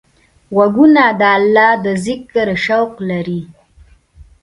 غوږونه د الله د ذکر شوق لري